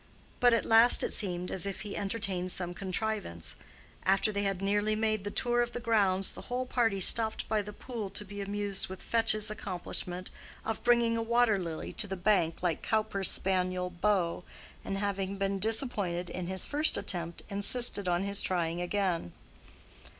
But at last it seemed as if he entertained some contrivance. After they had nearly made the tour of the grounds, the whole party stopped by the pool to be amused with Fetch's accomplishment of bringing a water lily to the bank like Cowper's spaniel Beau, and having been disappointed in his first attempt insisted on his trying again.